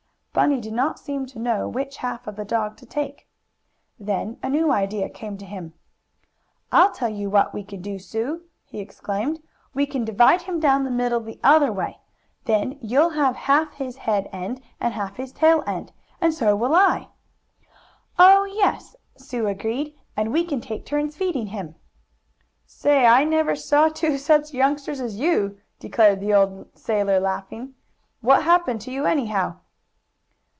Bunny did not seem to know which half of the dog to take. Then a new idea came to him. "I'll tell you what we can do, Sue!" he exclaimed. "We can divide him down the middle the other way. Then you'll have half his head end, and half his tail end, and so will I." "Oh, yes!" Sue agreed, "and we can take turns feeding him." "Say, I never see two such youngsters as you!" declared the old sailor, laughing. "What happened to you, anyhow?"